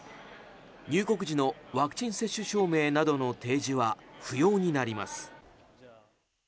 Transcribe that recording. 入国時のワクチン接種証明などの提示は不要になります。